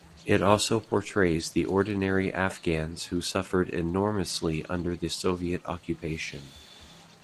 It also portrays the ordinary Afghans who suffered enormously under the Soviet occupation.